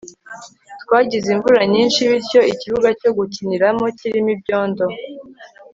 twagize imvura nyinshi, bityo ikibuga cyo gukiniramo kirimo ibyondo